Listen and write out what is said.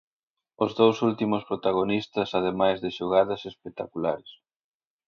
Os dous últimos protagonistas ademais de xogadas espectaculares.